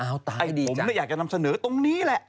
ไอ้ผมเนี่ยอยากจะนำเสนอตรงนี้แหละ